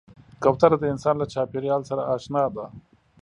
کوتره د انسان له چاپېریال سره اشنا ده.